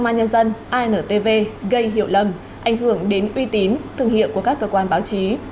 nhân dân antv gây hiệu lầm ảnh hưởng đến uy tín thương hiệu của các cơ quan báo chí